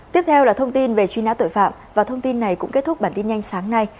tiếp theo là thông tin về truy nã tội phạm và thông tin này cũng kết thúc bản tin nhanh sáng nay